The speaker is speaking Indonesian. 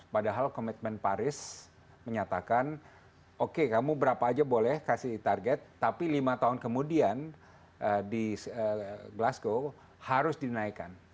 padahal komitmen paris menyatakan oke kamu berapa aja boleh kasih target tapi lima tahun kemudian di glasgow harus dinaikkan